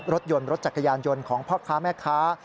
รถโยนรถจักรยานยนตร์ของพบค้าแม่ค้า